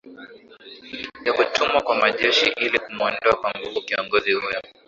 ya kutumwa kwa majeshi ili kumuondoa kwa nguvu kiongozi huyo